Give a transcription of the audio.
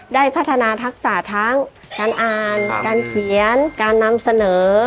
ได้พัฒนาทักษะทั้งการอ่านการเขียนการนำเสนอ